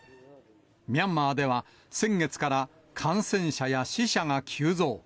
ミャンマーでは先月から感染者や死者が急増。